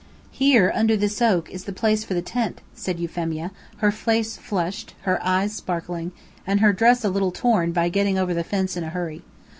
"Here, under this oak, is the place for the tent," said Euphemia, her face flushed, her eyes sparkling, and her dress a little torn by getting over the fence in a hurry.